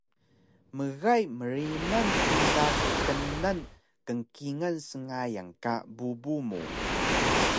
Mgay mrimal pila knan kngkingal sngayan ka bubu mu